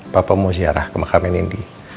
papa mau siarah ke makamnya nindi